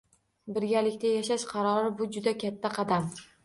Birgalikda yashash qarori – bu juda katta qadam.